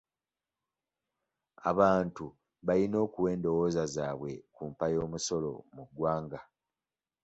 Abantu bayina okuwa endowoza zaabwe ku mpa y'omusolo mu ggwanga.